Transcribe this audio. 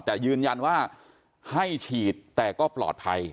แต่ยืนยันว่าให้ฉีดแต่ก็ปลอดภัย